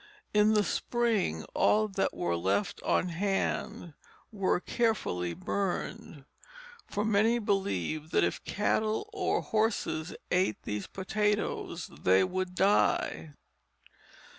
In the spring all that were left on hand were carefully burned, for many believed that if cattle or horses ate these potatoes they would die.